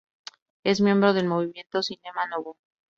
Es miembro del movimiento Cinema Novo.